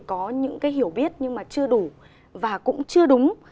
có những cái hiểu biết nhưng mà chưa đủ và cũng chưa đúng